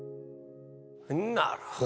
なるほど。